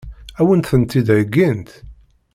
Ad wen-tent-id-heggint?